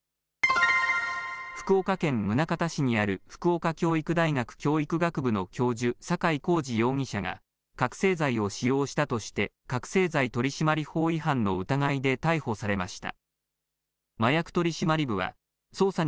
福岡県宗像市にある福岡教育大学教育学部の教授、坂井こうじ容疑者が、覚醒剤を使用したとして、覚醒剤取締法違反の疑いで逮捕されました。